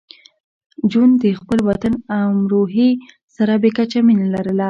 جون د خپل وطن امروهې سره بې کچه مینه لرله